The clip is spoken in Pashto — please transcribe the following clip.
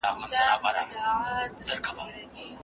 د لور پلار مکلف دی، چي د لور لپاره دينداره کس ولټوي.